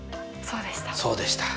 そうでした。